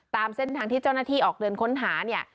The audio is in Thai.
ตามเส้นทางที่เจ้าหน้าที่ออกเดินค้นหาเนี่ย